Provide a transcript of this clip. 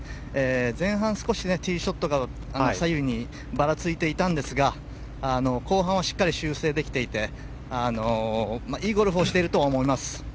前半、少しティーショットが左右にばらついていたんですが後半はしっかり修正できていていいゴルフをしていると思います。